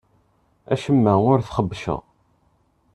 Acemma ur t-xebbceɣ.